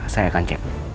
saya akan cek